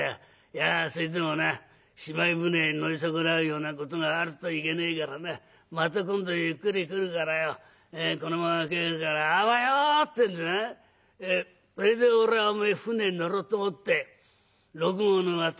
いやそれでもなしまい舟へ乗り損なうようなことがあるといけねえからなまた今度ゆっくり来るからよこのまま帰るからあばよってんでなそれで俺はおめえ舟に乗ろうと思って六郷の渡しまで来たんだな。